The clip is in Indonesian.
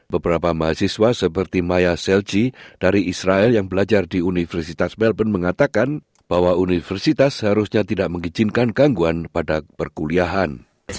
beberapa mahasiswa seperti maya selji dari israel yang belajar di universitas melbourne mengatakan bahwa universitas seharusnya tidak mengizinkan gangguan pada perkuliahan